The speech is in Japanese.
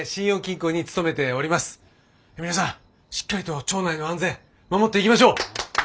皆さんしっかりと町内の安全守っていきましょう！